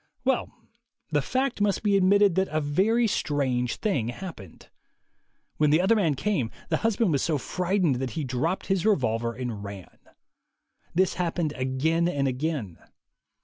Well, the fact must be admitted that a very strange thing happened. When the other man came, the husband was so frightened that he dropped his revolver and ran. This happened again and again.